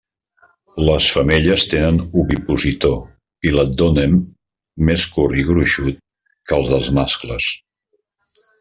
Les femelles tenen ovipositor i l'abdomen més curt i gruixut que el dels mascles.